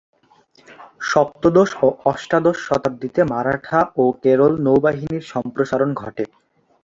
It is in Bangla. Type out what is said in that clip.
সপ্তদশ ও অষ্টাদশ শতাব্দীতে মারাঠা ও কেরল নৌবাহিনীর সম্প্রসারণ ঘটে।